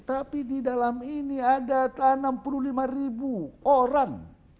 tapi di dalam ini ada enam puluh lima ribu orang